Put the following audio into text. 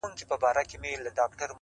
ځکه ډلي جوړوي د شریکانو،